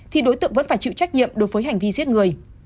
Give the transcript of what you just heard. thì đối tượng vẫn phải chịu trách nhiệm đối với hành vi giết người